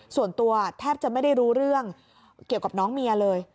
ส่วนตัวแทบจะไม่ได้รู้เรื่องเกี่ยวกับน้องเมียเลย